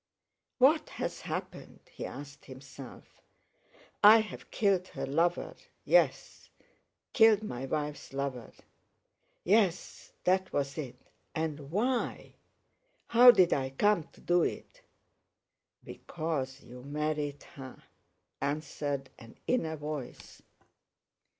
"What has happened?" he asked himself. "I have killed her lover, yes, killed my wife's lover. Yes, that was it! And why? How did I come to do it?"—"Because you married her," answered an inner voice.